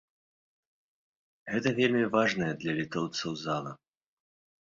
Гэта вельмі важная для літоўцаў зала.